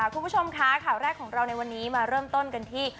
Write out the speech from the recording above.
คุณผู้ชมคะข่าวแรกของเราในวันนี้มาเริ่มต้นกันที่